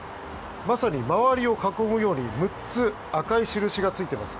まさに周りを囲むように６つ赤い印がついています。